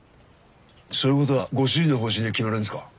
そういうことはご主人の方針で決めるんですか？